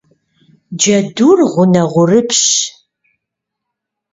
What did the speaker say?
Джэдур гъунэгъурыпщщ.